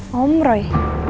hah om roy